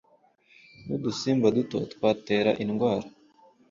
n’udusimba duto twatera indwara